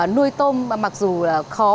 nuôi tôm mặc dù khó